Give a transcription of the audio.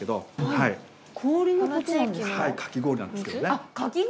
あっかき氷！